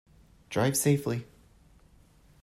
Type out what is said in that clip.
Drive safely!